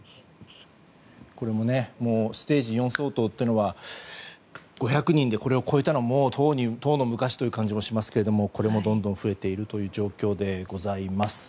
これもステージ４相当というのは５００人でこれを超えたのはとうの昔という感じがしますけどこれもどんどん増えている状況でございます。